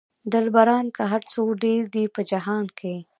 دلبران که هر څو ډېر دي په جهان کې.